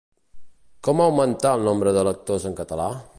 Com augmentar el nombre de lectors en català?